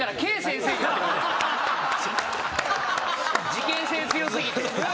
事件性強過ぎて。